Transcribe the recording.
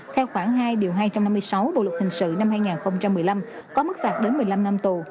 theo khoảng hai hai trăm năm mươi sáu bộ luật hình sự năm hai nghìn một mươi năm có mức phạt đến một mươi năm năm tù